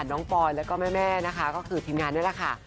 น้องปอนด์แล้วก็แม่แม่นะคะก็คือทีมงานนั่นแหละค่ะ